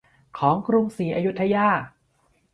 ของกรุงศรีอยุธยา